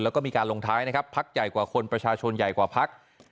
แล้วก็มีการลงท้ายนะครับพักใหญ่กว่าคนประชาชนใหญ่กว่าพัก